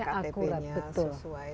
harus ada ktp nya sesuai